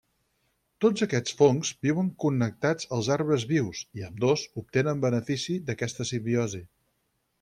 Tots aquests fongs viuen connectats als arbres vius, i ambdós obtenen benefici d'aquesta simbiosi.